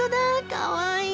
かわいい。